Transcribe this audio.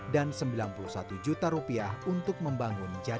dan rp sembilan puluh satu juta untuk membangun jaringan air